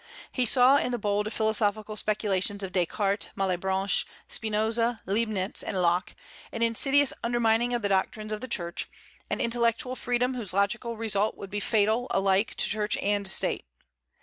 He saw in the bold philosophical speculations of Descartes, Malebranche, Spinoza, Leibnitz, and Locke an insidious undermining of the doctrines of the Church, an intellectual freedom whose logical result would be fatal alike to Church and State.